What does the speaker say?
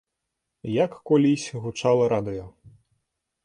Як колісь гучала радыё.